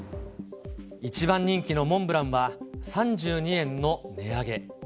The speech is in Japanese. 一番人気のモンブランは、３２円の値上げ。